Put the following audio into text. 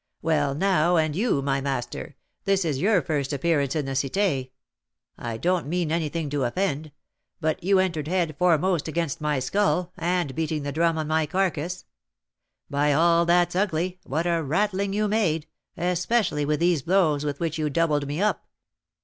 "Well, now, and you, my master, this is your first appearance in the Cité. I don't mean anything to offend; but you entered head foremost against my skull, and beating the drum on my carcass. By all that's ugly, what a rattling you made, especially with these blows with which you doubled me up!